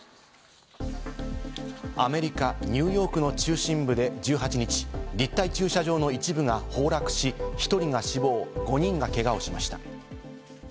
アメリカ・ニューヨークの中心部で１８日、立体駐車場の一部が崩落し、１人が死亡、５人がけがをしました。